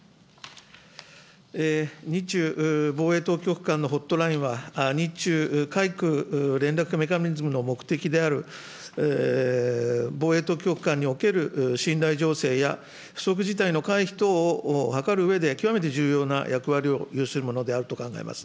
日中防衛当局間のホットラインは、日中海空連絡メカニズムの目的である防衛当局間における信頼醸成や不測事態の回避等をはかるうえで極めて重要な役割を有するものであると考えます。